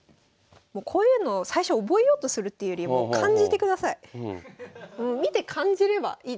こういうのを最初覚えようとするっていうより見て感じればいいです。